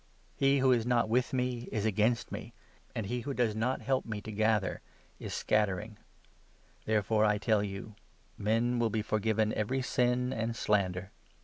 He who is not with me is against me, and he who does 30 not help me to gather is scattering. Therefore, I 31 tell you, men will be forgiven every sin and slander ; but J8 Isji. 41 8 ; 42. i.